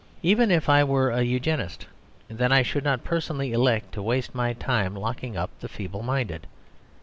Even if I were a Eugenist, then I should not personally elect to waste my time locking up the feeble minded.